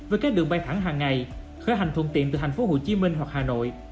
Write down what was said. với các đường bay thẳng hàng ngày khởi hành thuận tiện từ thành phố hồ chí minh hoặc hà nội